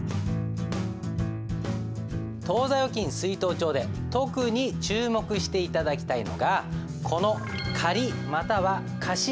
当座預金出納帳で特に注目して頂きたいのがこの「借または貸」の欄です。